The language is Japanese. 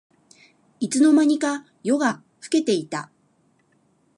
いつの間にか夜が更けていた